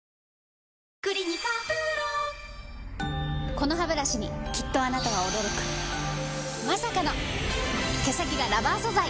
このハブラシにきっとあなたは驚くまさかの毛先がラバー素材！